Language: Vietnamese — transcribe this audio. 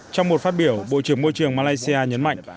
trong một phát biểu bộ trưởng môi trường malaysia nhấn mạnh